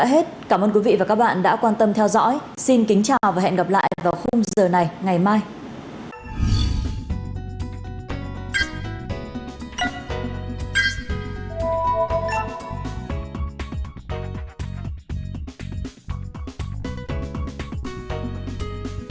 hệ thống bệnh viện đa khoa tâm anh